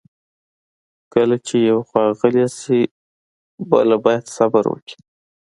کله چې یوه خوا غلې شي، بله باید صبر وکړي.